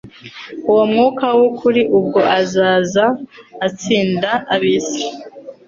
"Uwo mwuka w'ukuri ubwo azaza azatsinda ab'isi,